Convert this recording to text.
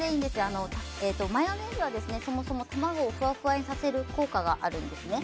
マヨネーズはそもそも卵をふわふわにさせる効果があるんですね。